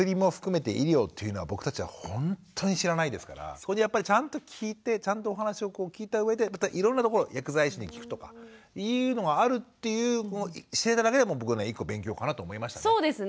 そこでやっぱりちゃんと聞いてちゃんとお話を聞いたうえでまたいろんなところ薬剤師に聞くとかいうのがあるっていうの知れただけでも僕ね１個勉強かなと思いましたね。